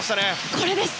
これです！